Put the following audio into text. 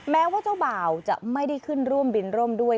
แม้ว่าเจ้าบ่าวจะไม่ได้ขึ้นร่วมบินร่วมด้วย